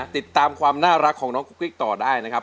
ติดตามความน่ารักของน้องกุ๊กกิ๊กต่อได้นะครับ